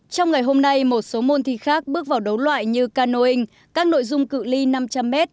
trong ngày hôm nay một số môn thi khác bước vào đấu loại như canoing các nội dung cự li năm trăm linh m